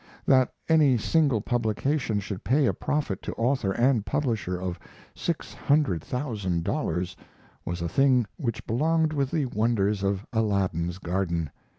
That any single publication should pay a profit to author and publisher of six hundred thousand dollars was a thing which belonged with the wonders of Aladdin's garden.